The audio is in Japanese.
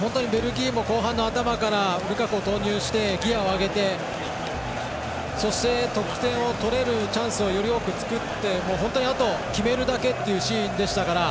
本当にベルギーも後半の頭からルカクを投入してギアを上げてそして、得点を取れるチャンスをより多く作って本当に、あと決めるだけっていうシーンでしたから。